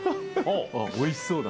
おいしそうだ。